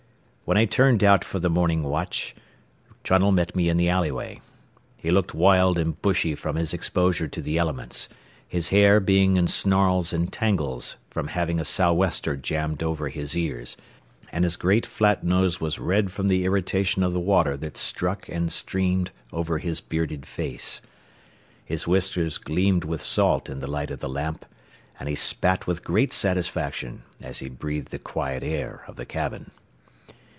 When I turned out for the morning watch, Trunnell met me in the alleyway. He looked wild and bushy from his exposure to the elements, his hair being in snarls and tangles from having a sou'wester jammed over his ears, and his great flat nose was red from the irritation of the water that struck and streamed over his bearded face. His whiskers gleamed with salt in the light of the lamp, and he spat with great satisfaction as he breathed the quiet air of the cabin.